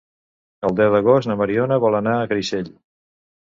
El deu d'agost na Mariona vol anar a Creixell.